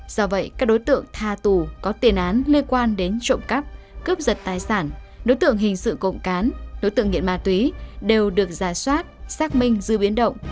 do vậy các đối tượng tha tù có tiền án liên quan đến trộm cắp cướp giật tài sản đối tượng hình sự cộng cán đối tượng nghiện ma túy đều được giả soát xác minh dư biến động